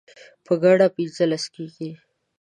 په ګډه پنځلس کیږي